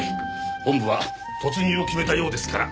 本部は突入を決めたようですから。